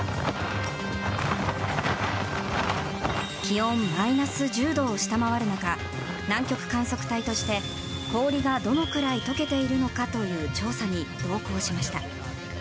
気温マイナス１０度を下回る中南極観測隊として氷がどのくらい解けているのかという調査に同行しました。